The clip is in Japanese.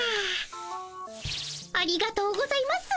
ありがとうございます。